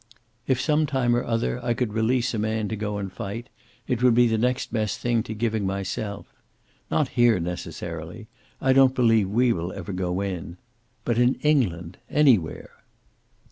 "If, some time or other, I could release a man to go and fight, it would be the next best thing to giving myself. Not here, necessarily; I don't believe we will ever go in. But in England, anywhere."